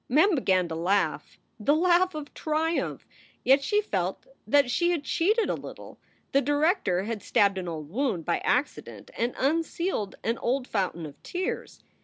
Mem began to laugh the laugh of triumph. Yet she felt that she had cheated a little. The director had stabbed an old wound by accident and unsealed an old fountain of tears.